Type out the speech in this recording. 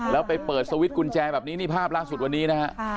แล้วไปเปิดสวิตช์กุญแจแบบนี้นี่ภาพล่าสุดวันนี้นะฮะ